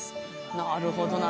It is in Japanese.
なるほどな。